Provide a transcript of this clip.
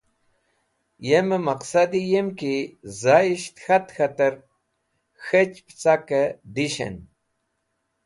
Yemẽ maqsadi yim ki zayisht k̃hat k̃hatẽr k̃hech pẽcak dishẽn.